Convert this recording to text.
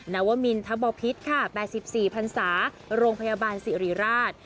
นวมินทบพิษค่ะ๘๔พันศาโรงพยาบาลสิริราช